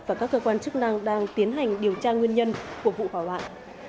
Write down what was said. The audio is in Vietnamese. và các cơ quan chức năng đang tiến hành điều tra nguyên nhân của vụ hỏa hoạn